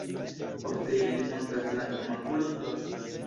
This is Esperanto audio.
Ofte ili montras blankan makulon dorse.